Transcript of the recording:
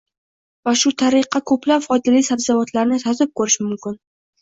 va shu tariqa ko‘plab foydali sabzavotlarni tatib ko‘rish mumkin.